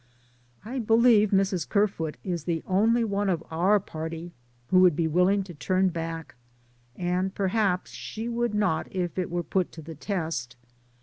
I believe Mrs. Kerfoot is the only one of our party who would be willing to turn back, and perhaps she would not if it were put to the test.